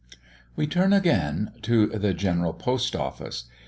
] We turn again to the General Post office.